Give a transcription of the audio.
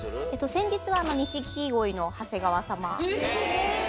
先日は錦鯉の長谷川さま。へぇ。